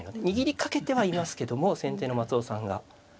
握りかけてはいますけども先手の松尾さんが。